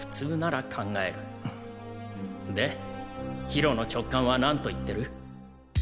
ヒロの直感は何と言ってる？